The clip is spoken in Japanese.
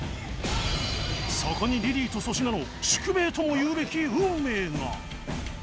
そこにリリーと粗品の宿命とも言うべき運命が